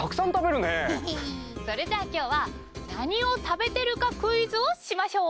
それじゃあ今日は何を食べてるかクイズをしましょう。